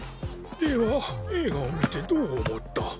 では映画を見てどう思った？